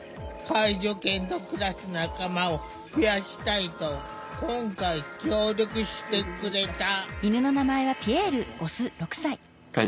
介助犬と暮らす仲間を増やしたいと今回協力してくれた。